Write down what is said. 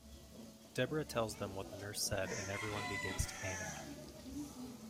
Debra tells them what the nurse said and everyone begins to panic.